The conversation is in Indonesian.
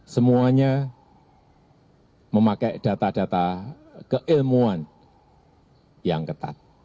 semuanya memakai data data keilmuan yang ketat